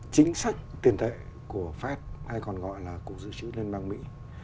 chính sách tiền tệ của fed hay còn gọi là cục dự trữ liên bang mỹ